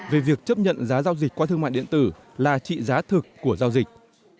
về việc chấp nhận giá giao dịch qua thương mại điện tử là trị giá thực của giao dịch